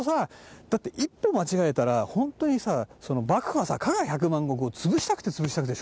だって一歩間違えたらホントにさ幕府はさ加賀百万石を潰したくて潰したくて